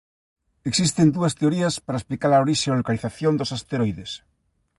Existen dúas teorías para explicar a orixe e localización dos asteroides.